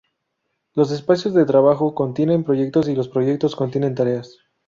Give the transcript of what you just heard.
Los espacios de trabajo contienen proyectos y los proyectos contienen tareas.